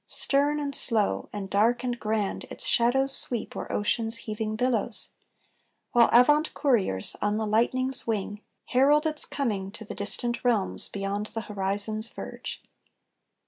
Stern, and slow, and dark, and grand, Its shadows sweep o'er ocean's heaving billows; While avant couriers, on the lightning's wing, Herald its coming to the distant realms Beyond the horizon's verge.